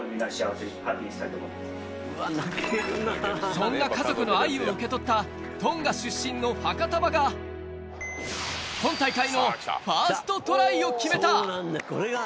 そんな家族の愛を受け取った、トンガ出身のファカタヴァが、今大会のファーストトライを決めた！